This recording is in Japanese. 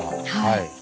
はい。